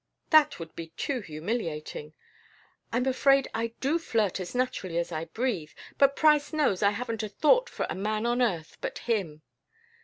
That would be too humiliating. I'm afraid I do flirt as naturally as I breathe, but Price knows I haven't a thought for a man on earth but him."